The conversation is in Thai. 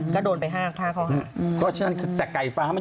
ก็โดนแต่ห้ากห้าข้าว